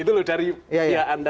itu loh dari pihak anda